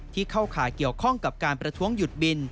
เข้าข่ายเกี่ยวข้องกับการประท้วงหยุดบิน